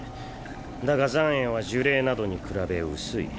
だが残穢は呪霊などに比べ薄い。